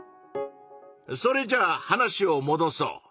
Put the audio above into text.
それじゃあ話をもどそう。